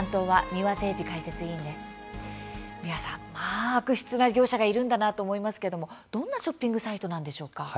三輪さん、まあ悪質な業者がいるんだなと思いますけれどもどんなショッピングサイトなんでしょうか。